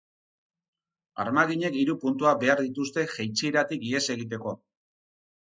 Armaginek hiru puntuak behar dituzte jeitsieratik ihes egiteko.